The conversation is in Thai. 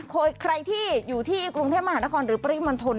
ใครที่อยู่ที่กรุงเทพมหานครหรือปริมณฑล